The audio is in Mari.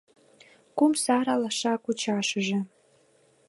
Кум сар алаша кучашыже